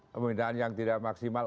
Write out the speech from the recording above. pembinaan yang tidak maksimal